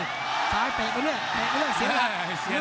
ซ้ายเตะเรื่อยเรื่อย